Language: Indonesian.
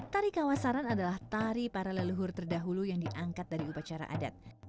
tari kawasaran adalah tari para leluhur terdahulu yang diangkat dari upacara adat